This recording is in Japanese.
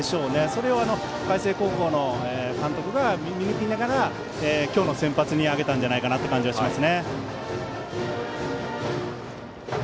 それを海星高校の監督が見抜きながら今日の先発に上げたんじゃないかという気がしますね。